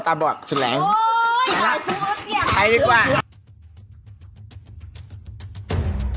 ไปเสร็จแล้วมามามันเห่อหกเห็นไหมเนี้ยเห็นไหม